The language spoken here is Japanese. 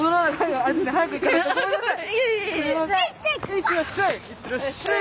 いってらっしゃい！